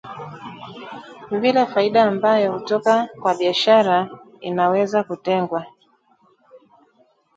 vile faida ambayo hutoka kwa biashara inawezakutengwa